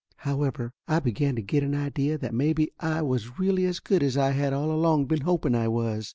However, I begun to get an idea that maybe I was really as good as I had all along been hoping I was.